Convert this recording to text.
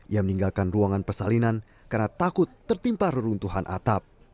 ia meninggalkan ruangan persalinan karena takut tertimpa reruntuhan atap